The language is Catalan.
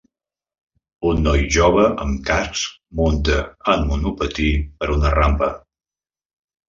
Un noi jove amb casc munta en monopatí per una rampa.